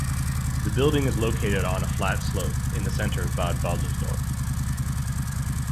The building is located on a flat slope in the center of Bad Waltersdorf.